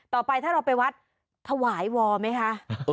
ต่อไปถ้าเราไปวัดถวายวอไหมคะ